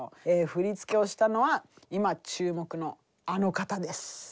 振り付けをしたのは今注目のあの方です。